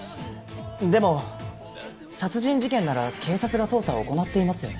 でも殺人事件なら警察が捜査を行っていますよね？